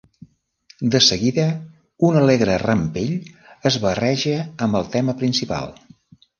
De seguida un alegre rampell es barreja amb el tema principal.